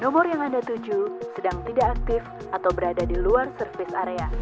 nomor yang anda tuju sedang tidak aktif atau berada di luar service area